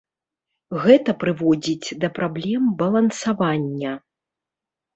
Гэта прыводзіць да праблем балансавання.